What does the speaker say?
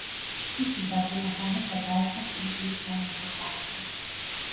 სისის დაცემასთან ერთად, დაეცა კილიკიის სომეხთა სამეფოც.